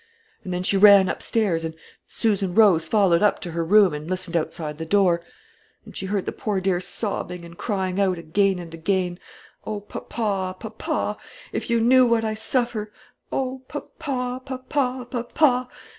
And then she ran upstairs, and Susan Rose followed up to her room and listened outside the door; and she heard the poor dear sobbing and crying out again and again, 'O papa, papa! If you knew what I suffer! O papa, papa, papa!'